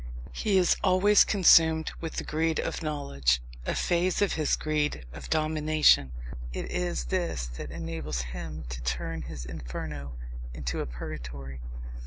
He is always consumed with the greed of knowledge a phase of his greed of domination. It is this that enables him to turn his inferno into a purgatory.